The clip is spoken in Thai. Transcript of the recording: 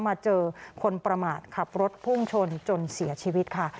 มาเจอคนประมาทขับรถพุ่งชนจนเสียชีวิตค่ะ